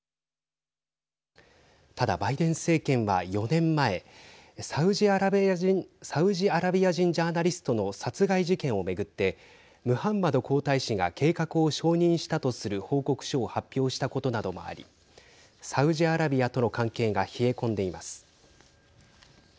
ただ、バイデン政権は４年前サウジアラビア人ジャーナリストの殺害事件を巡ってムハンマド皇太子が計画を承認したとする報告書を発表したことなどもありサウジアラビアとの関係が冷え込んでいます。